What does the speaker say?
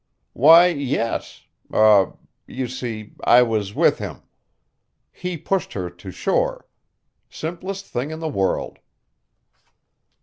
"Why, yes er you see, I was with him. He pushed her to shore. Simplest thing in the world."